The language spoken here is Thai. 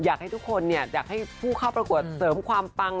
อยากให้ทุกคนอยากให้ผู้เข้าประกวดเสริมความปัง